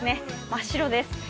真っ白です。